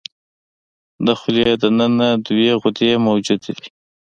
د خولې د ننه درې غدې موجودې دي.